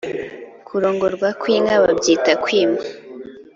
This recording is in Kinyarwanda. Kurongorwa kw’inka babyita Kwima